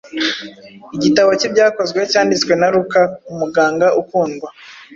Igitabo cy’Ibyakozwe cyanditswe na Luka; “Umuganga ukundwa”